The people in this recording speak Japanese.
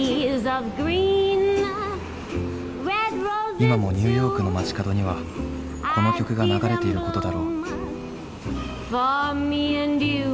今もニューヨークの街角にはこの曲が流れていることだろう。